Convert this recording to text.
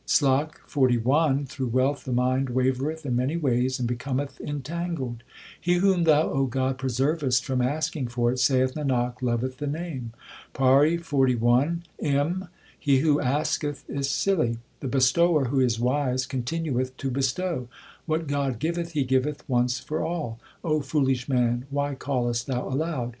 SLOK XLI Through wealth the mind wavereth in many ways and becometh entangled ; He whom Thou, O God, preservest from asking for it, saith Nanak, loveth the Name. PAURI XLI M. He who asketh is silly ; The Bestower who is wise continueth to bestow : What God giveth He giveth once for all. O foolish man, why callest thou aloud